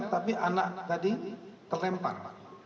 tapi anak tadi terlempar